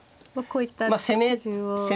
こういった攻め筋を。